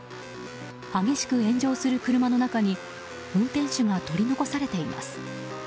激しく炎上する車の中に運転手が取り残されています。